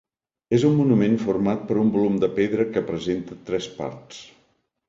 És un monument format per un volum de pedra que presenta tres parts.